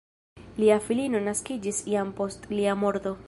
Lia filino naskiĝis jam post lia morto.